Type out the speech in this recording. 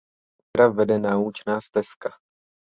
Kolem jezera vede naučná stezka.